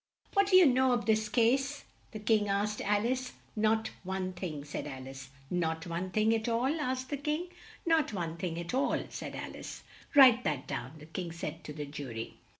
"What do you know of this case?" the King asked Al ice. "Not one thing," said Al ice. "Not one thing, at all?" asked the King. "Not one thing, at all," said Al ice. "Write that down," the King said to the ju ry.